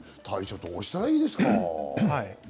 どうしたらいいですか？